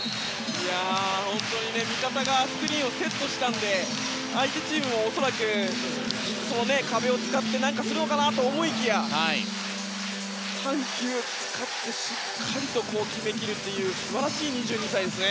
本当に味方がスクリーンをセットしたので相手チームも恐らく壁を使って何かするのかなと思いきや緩急を使ってしっかりと決めきるという素晴らしい２２歳ですね